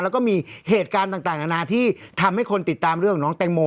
แล้วก็มีเหตุการณ์ต่างนานาที่ทำให้คนติดตามเรื่องของน้องแตงโม